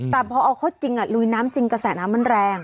แต่พอเอาเข้าจริงลุยน้ำจริงกระแสน้ำมันแรง